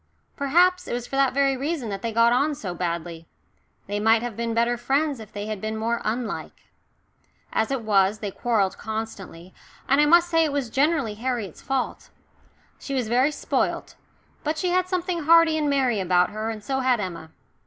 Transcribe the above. Perhaps it was for that very reason that they got on so badly they might have been better friends if they had been more unlike. As it was, they quarrelled constantly, and I must say it was generally Harriet's fault. She was very spoilt, but she had something hearty and merry about her, and so had Emma.